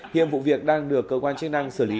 hiện vụ việc đang được cơ quan chức năng xử lý